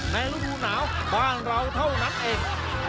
ฤดูหนาวบ้านเราเท่านั้นเอง